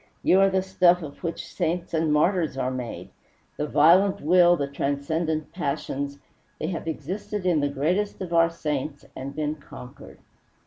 You are the stuff of which saints and martyrs are made. The violent will, the transcendent passions they have existed in the greatest of our saints, and been conquered."